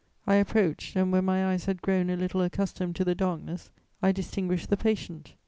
I approached and, when my eyes had grown a little accustomed to the darkness, I distinguished the patient.